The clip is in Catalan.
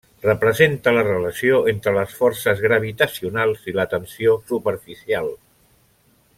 Representa la relació entre les forces gravitacionals i la tensió superficial.